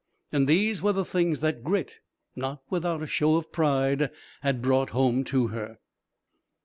And these were the things that Grit, not without a show of pride, had brought home to her!